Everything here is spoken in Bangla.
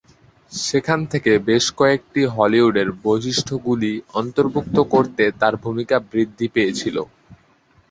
সেখান থেকে বেশ কয়েকটি হলিউডের বৈশিষ্ট্যগুলি অন্তর্ভুক্ত করতে তার ভূমিকা বৃদ্ধি পেয়েছিল।